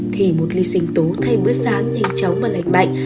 thì một ly sinh tố thay bữa sáng nhanh chóng và lành mạnh